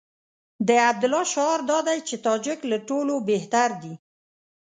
د عبدالله شعار دا دی چې تاجک له ټولو بهتر دي.